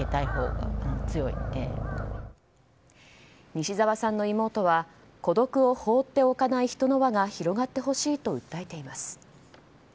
西澤さんの妹は孤独を放っておかない人の輪が広がってほしいと訴えています。